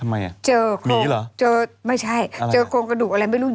ไม่ใช่เจอโค้งกระดูกอะไรไม่รู้